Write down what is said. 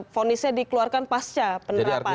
vonisnya dikeluarkan pasca penerapan